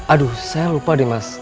aduh saya lupa deh mas